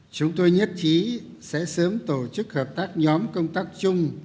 chúng tôi nhất trí sẽ sớm tổ chức hợp tác nhóm công tác chung